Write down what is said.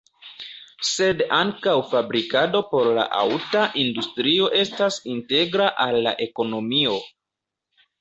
Sed ankaŭ fabrikado por la aŭta industrio estas integra al la ekonomio.